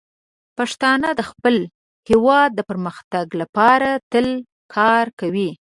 پښتانه د خپل هیواد د پرمختګ لپاره تل کار کوي.